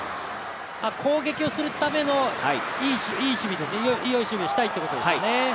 攻撃をするためのいい守備をしたいということですね。